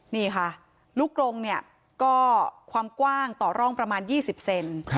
นี่ค่ะลูกกรงเนี่ยก็ความกว้างต่อร่องประมาณ๒๐เซน